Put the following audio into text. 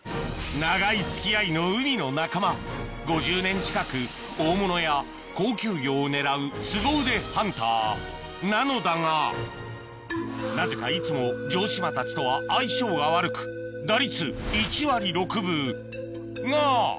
長い付き合いの海の仲間５０年近く大物や高級魚を狙うすご腕ハンターなのだがなぜかいつも城島たちとは相性が悪くが！